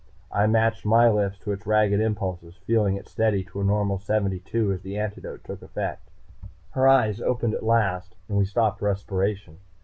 I matched my lifts to its ragged impulses, feeling it steady to a normal seventy two as the antidote took effect. Her eyes opened at last, and we stopped respiration.